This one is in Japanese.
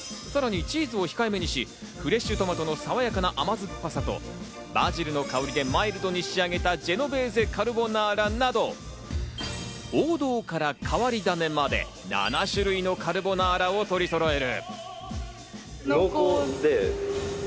さらにチーズを控えめにし、フレッシュトマトのさわやかな甘酸っぱさとバジルの香りでマイルドに仕上げたジェノベーゼカルボナーラなど、王道から変り種まで７種類のカルボナーラを取りそろえる。